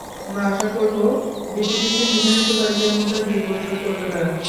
আমরা আশা করব, ডিপিডিসির নির্ধারিত তারিখের মধ্যে বিল পরিশোধ করবে তারা।